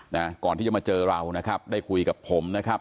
นะก่อนที่จะมาเจอเรานะครับได้คุยกับผมนะครับ